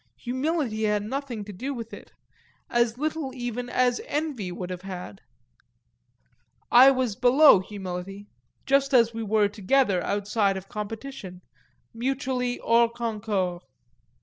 Humility had nothing to do with it as little even as envy would have had; I was below humility, just as we were together outside of competition, mutually "hors concours."